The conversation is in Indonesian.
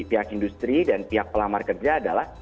pihak industri dan pihak pelamar kerja adalah